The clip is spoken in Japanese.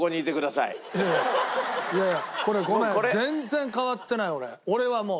いやいやこれごめん全然変わってない俺俺はもう。